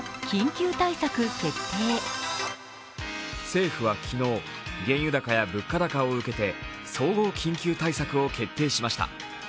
政府は昨日、原油高や物価高を受けて総合緊急対策を決定しました。